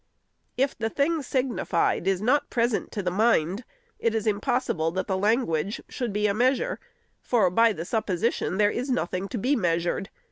If the thing signified is not present to the mind, it is impossible that the language should be a measure, for, by the supposition, there is nothing to be measured.